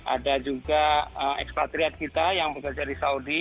ada juga ekspatriat kita yang bekerja di saudi